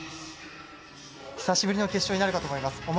久しぶりの決勝なるかと思います。